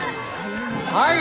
はい。